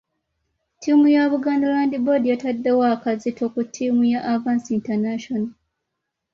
Ttiimu ya Buganda Land Board yatadde akazito ku ttiimu ya Avance International.